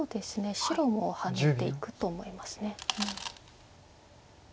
白もハネていくと思います。